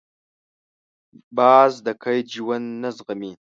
باز د قید ژوند نه زغمي